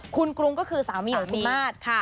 คุณกรุงก็คือสามีของคุณมาส